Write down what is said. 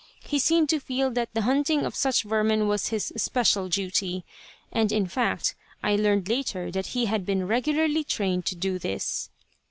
He seemed to feel that the hunting of such vermin was his especial duty, and, in fact, I learned later that he had been regularly trained to do this.